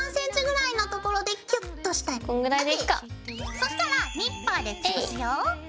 そしたらニッパーでつぶすよ。